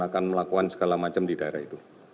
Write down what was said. akan melakukan segala macam di daerah itu